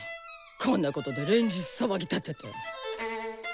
こんなことで連日騒ぎ立てて！